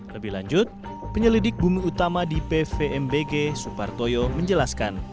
lebih lanjut penyelidik bumi utama di pvmbg supartoyo menjelaskan